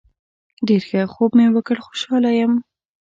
ډیر ښه خوب مې وکړ خوشحاله یم